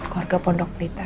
keluarga pondok pelita